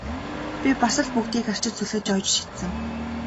Би бас л бүгдийг арчиж зүлгэж оёж шидсэн!